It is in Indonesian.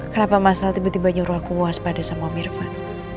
kenapa masal tiba tiba nyuruh aku waspada sama om irfan